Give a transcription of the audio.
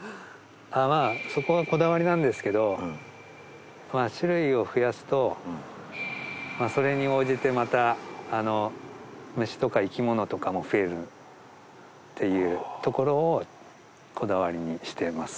まあそこはこだわりなんですけど種類を増やすとそれに応じてまた虫とか生き物とかも増えるっていうところをこだわりにしてます。